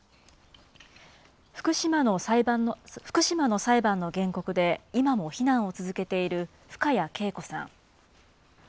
福島の裁判の原告で、今も避難を続けている深谷敬子さん。